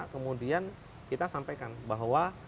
kemudian kita sampaikan bahwa